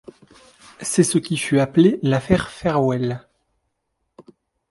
C'est ce qui fut appelé l' Affaire Farewell.